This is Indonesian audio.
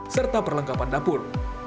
serta perlengkapan dapur